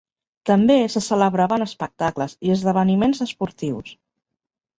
També se celebraven espectacles i esdeveniments esportius.